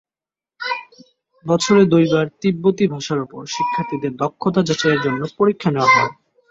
বছরে দুইবার তিব্বতি ভাষার উপর শিক্ষার্থীদের দক্ষতা যাচাইয়ের জন্য পরীক্ষা নেওয়া হবে।